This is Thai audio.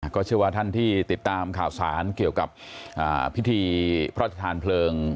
ก็เชื่อว่าท่านที่ติดตามข่าวสารเกี่ยวกับพิธีพระราชทานเพลิง